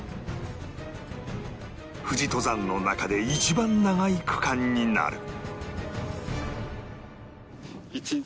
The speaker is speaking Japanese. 富士登山の中で一番長い区間になる